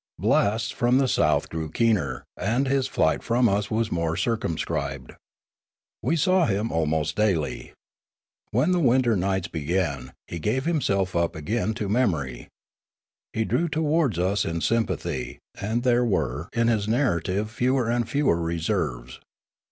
Blasts from the south grew keener; and his flight from us was more circumscribed. We saw him almost daily. When the winter nights began, he gave himself up again to memory. He drew to wards us in sympathy, and there were in his narrative fewer and fewer reserves.